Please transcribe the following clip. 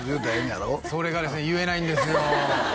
やろそれがですね言えないんですよ